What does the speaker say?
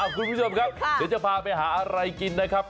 คุณผู้ชมครับเดี๋ยวจะพาไปหาอะไรกินนะครับ